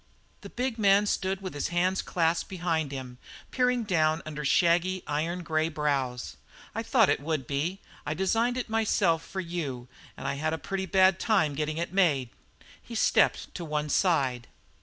The big man stood with his hands clasped behind him, peering down under shaggy, iron grey brows. "I thought it would be. I designed it myself for you and I had a pretty bad time getting it made." He stepped to one side.